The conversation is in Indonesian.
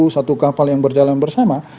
satu kapal yang berjalan bersama